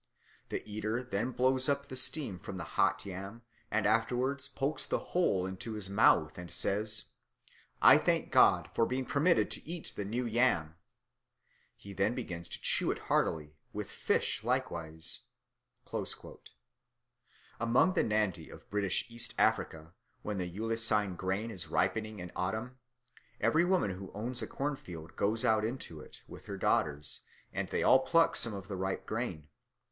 The eater then blows up the steam from the hot yam, and afterwards pokes the whole into his mouth, and says, 'I thank God for being permitted to eat the new yam'; he then begins to chew it heartily, with fish likewise." Among the Nandi of British East Africa, when the eleusine grain is ripening in autumn, every woman who owns a corn field goes out into it with her daughters, and they all pluck some of the ripe grain.